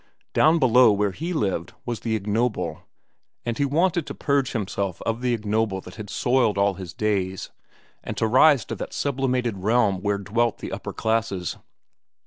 Down below where he lived was the ignoble, and he wanted to purge himself of the ignoble that had soiled all his days, and to rise to that sublimated realm where dwelt the upper classes.